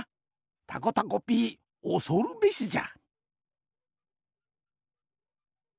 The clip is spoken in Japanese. たこたこピーおそるべしじゃ。